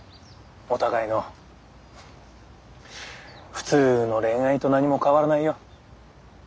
普通の恋愛と何も変わらないよ。